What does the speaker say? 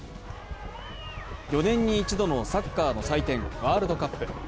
４年に一度のサッカーの祭典ワールドカップ。